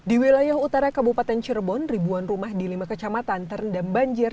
di wilayah utara kabupaten cirebon ribuan rumah di lima kecamatan terendam banjir